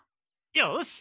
よし！